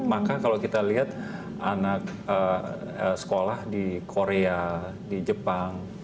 maka kalau kita lihat anak sekolah di korea di jepang